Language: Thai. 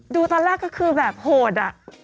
ดูตอนแรกก็คือแบบโหดอะ